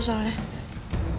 iya mau ngomong sesuatu apa